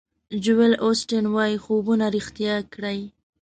جویل اوسټین وایي خوبونه ریښتیا کړئ.